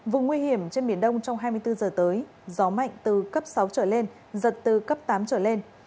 vùng nguy hiểm trên biển đông trong hai mươi bốn giờ tới gió mạnh từ cấp sáu trở lên giật từ cấp tám trở lên